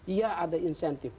iya ada insentif